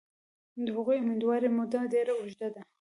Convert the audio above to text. د هغوی امیندوارۍ موده ډېره اوږده وه.